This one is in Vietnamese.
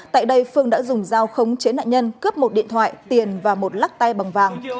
tại đây phương đã dùng dao khống chế nạn nhân cướp một điện thoại tiền và một lắc tay bằng vàng